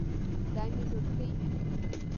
دا مې لورکۍ